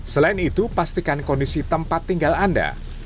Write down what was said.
selain itu pastikan kondisi tempat tinggal anda